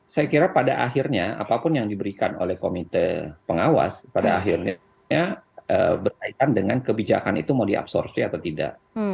saya kira pada akhirnya apapun yang diberikan oleh komite pengawas pada akhirnya berkaitan dengan kebijakan itu mau diabsorsi atau tidak